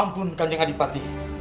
ampun kandeng adipati